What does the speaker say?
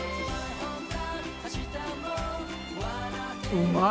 うまい。